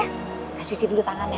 nggak cuci dulu tangan ya